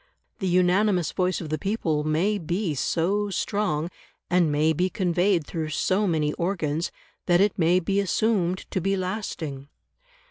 The unanimous voice of the people may be so strong, and may be conveyed through so many organs, that it may be assumed to be lasting.